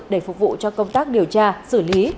để phục vụ cho công tác điều tra xử lý